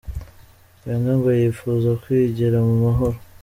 Wenger ngo yipfuza "kwigira mu mahoro".